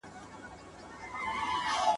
ذخیرې چي پټي نه کړئ په کورو کي !.